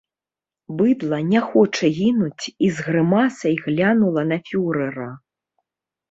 Быдла не хоча гінуць і з грымасай глянула на фюрэра.